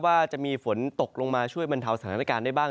แต่ว่ากลางสัปดาห์นี้มีรุนนะครับว่าจะมีฝนตกลงมาช่วยบรรเทาสถานการณ์ได้บ้าง